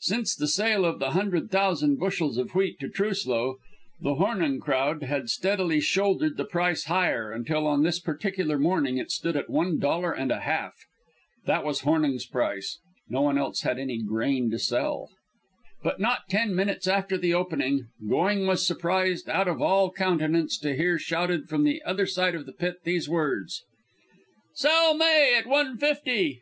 Since the sale of the hundred thousand bushels of wheat to Truslow the "Hornung crowd" had steadily shouldered the price higher until on this particular morning it stood at one dollar and a half. That was Hornung's price. No one else had any grain to sell. But not ten minutes after the opening, Going was surprised out of all countenance to hear shouted from the other side of the pit these words: "Sell May at one fifty."